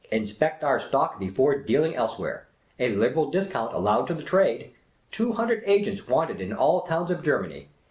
Inspect our stock before dealing elsewhere. A liberal dis count allowed to the trade. Two hundred agents wanted in all towns of Germany.